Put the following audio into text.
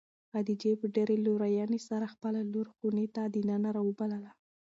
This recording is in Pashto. خدیجې په ډېرې لورېنې سره خپله لور خونې ته د ننه راوبلله.